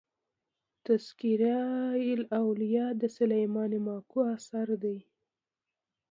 "تذکرةالاولیا" د سلیمان ماکو اثر دﺉ.